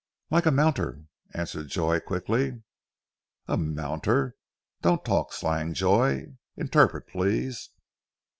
"Like a mounter!" answered Joy quickly. "A mounter! Don't talk slang, Joy. Interpret, please."